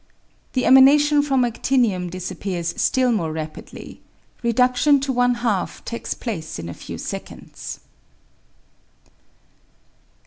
The emanation from adtinium disappears still more rapidly ; redudlion to one half takes place in a few seconds.